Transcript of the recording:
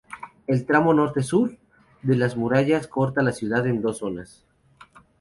El tramo Norte-Sur de las murallas corta la ciudad en dos zonas.